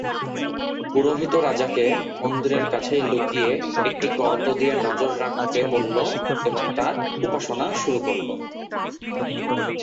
পুরোহিত রাজাকে মন্দিরের কাছেই লুকিয়ে একটি গর্ত দিয়ে নজর রাখতে বলল এবং তার উপাসনা শুরু করল।